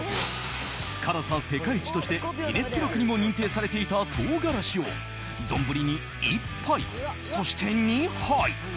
辛さ世界一としてギネス記録にも認定されていた唐辛子を丼に１杯、そして２杯。